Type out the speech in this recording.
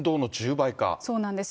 そうなんです。